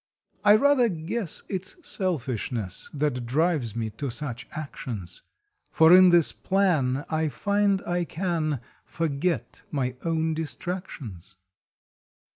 I rather guess It s selfishness That drives me to such actions, For in this plan I find I can Forget my own distractions.